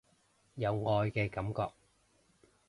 有愛嘅感覺